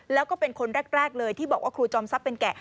แล้วก็เป็นคนแรกเลยที่บอกว่าครูจอมทรัพย์เป็นแกะ